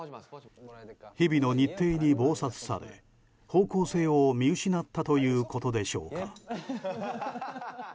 日々の日程に忙殺され方向性を見失ったということでしょうか。